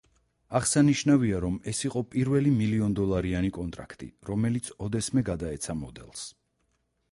აღსანიშნავია, რომ ეს იყო პირველი მილიონდოლარიანი კონტრაქტი, რომელიც ოდესმე გადაეცა მოდელს.